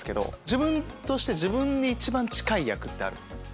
自分として自分に一番近い役ってある？